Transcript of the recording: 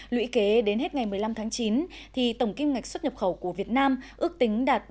lũy kế đến hết ngày một mươi năm tháng chín thì tổng kinh ngạch xuất nhập khẩu của việt nam ước tính đạt ba trăm sáu mươi một năm mươi một tỷ usd